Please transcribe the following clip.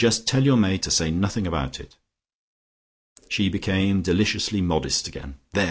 "Just tell your maid to say nothing about it." She became deliciously modest again. "There!"